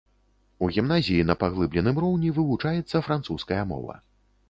У гімназіі на паглыбленым роўні вывучаецца французская мова.